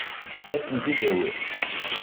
Ad sent-t-id-tawi?